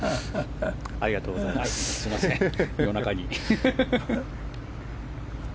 すみません、夜中に。